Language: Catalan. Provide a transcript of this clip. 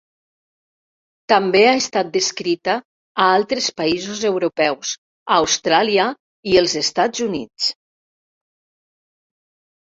També ha estat descrita a altres països europeus, a Austràlia i els Estats Units.